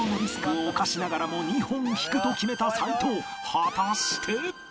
果たして